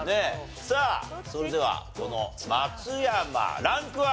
さあそれではこの松山ランクは？